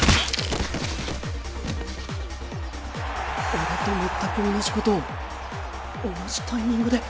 俺と全く同じ事を同じタイミングで。